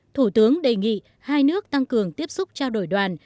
thủ tướng đề nghị hai nước tăng cường tiếp xúc trao đổi đoàn